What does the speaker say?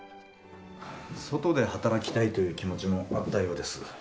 外で働きたいという気持ちもあったようです。